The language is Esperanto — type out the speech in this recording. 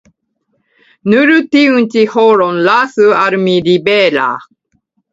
Nur tiun ĉi horon lasu al mi libera.